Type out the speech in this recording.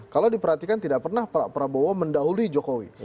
kalau diperhatikan tidak pernah pak prabowo mendahului jokowi